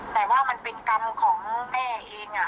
แต่ว่ามันเป็นกรรมของแม่เอง